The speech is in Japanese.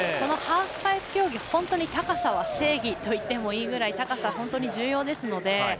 ハーフパイプ競技、本当に高さは正義といっていいぐらい高さが本当に重要ですので。